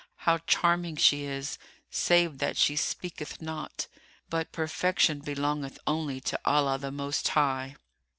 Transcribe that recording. How charming she is, save that she speaketh not! But perfection belongeth only to Allah the Most High."